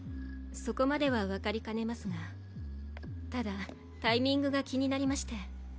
そこまでは分かりかねますがただタイミングが気になりまして